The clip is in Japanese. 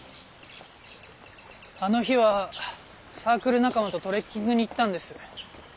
あの日はサークル仲間とトレッキングに行ったんです。